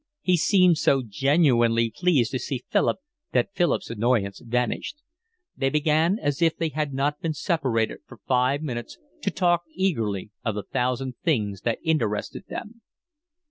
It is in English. He seemed so genuinely pleased to see Philip that Philip's annoyance vanished. They began as if they had not been separated for five minutes to talk eagerly of the thousand things that interested them.